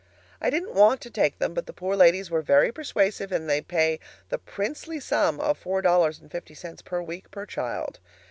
I didn't want to take them, but the poor ladies were very persuasive, and they pay the princely sum of four dollars and fifty cents per week per child.